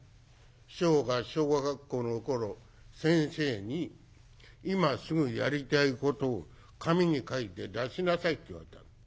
師匠が小学校の頃先生に今すぐやりたいことを紙に書いて出しなさいって言われたの。